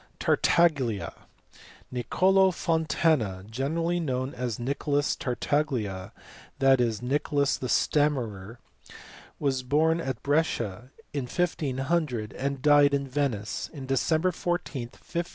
Tartaglia. Piccolo Montana, generally known as Nicholas Tartaglia, that is, Nicholas the stammerer, was born at Brescia in 1500 and died at Venice on December 14, 1557.